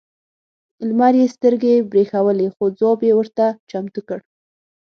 لمر یې سترګې برېښولې خو ځواب یې ورته چمتو کړ.